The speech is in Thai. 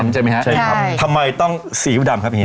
ใช่ครับทำไมต้องสีดำครับเนี้ย